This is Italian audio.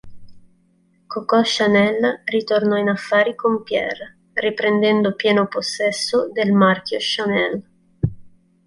Coco Chanel ritornò in affari con Pierre riprendendo pieno possesso del marchio "Chanel".